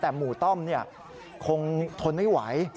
แต่หมู่ต้อมคงทนไม่ไหว